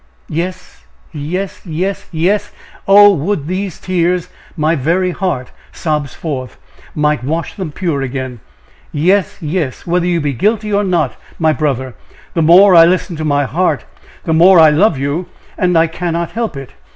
"Yes! yes! yes! yes! Oh! would these tears, my very heart sobs forth, might wash them pure again! Yes! yes! whether you be guilty or not, my brother! the more I listen to my heart, the more I love you, and I cannot help it!"